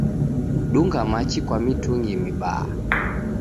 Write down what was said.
Dunga machi kwa mitungi mibaha